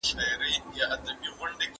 ما مخکي داسې شی نه و لیدلی.